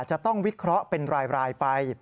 จะต้องวิเคราะห์เป็นรายไป